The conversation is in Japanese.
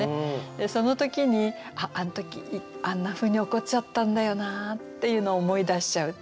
その時にあっあの時あんなふうに怒っちゃったんだよなっていうのを思い出しちゃうっていう。